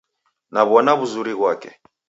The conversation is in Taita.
Naw'ona w'uzuri ghwake.